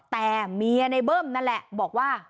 แต่เมียในเบิ้มนั่นแหละบอกว่า